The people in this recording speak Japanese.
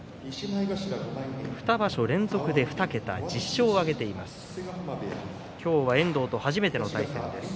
２場所連続で２桁１０勝を挙げています。